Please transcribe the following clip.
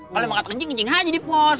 kalo emang kata kencing ngencing aja di pos